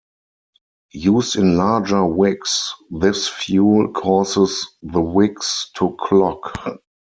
Used in larger wicks, this fuel causes the wicks to clog.